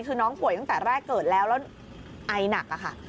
คือน้องป่วยตั้งแต่แรกเกิดแล้วแล้วไอหนักค่ะ